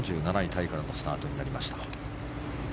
タイからのスタートになりました。